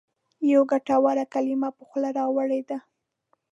یوه ګټوره کلمه پر خوله راوړې ده.